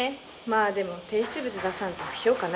まあでも提出物出さんと評価ないよ。